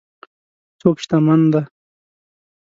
څوک شتمن دی.